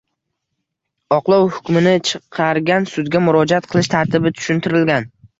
Oqlov hukmini chiqargan sudga murojaat qilish tartibi tushuntirilgan.